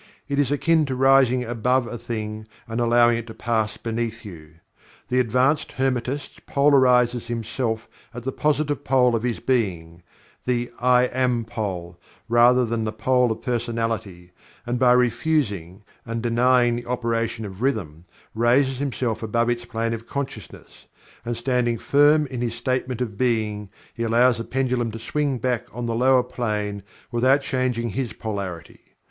It is akin to rising above a thing and allowing it to pass beneath you. The advanced Hermetist polarizes himself at the Positive Pole of his Being the "I Am" pole rather than the pole of personality and by "refusing" and "denying" the operation of Rhythm, raises himself above its plane of consciousness, and standing firm in his Statement of Being he allows the pendulum to swing back on the Lower Plane without changing his Polarity.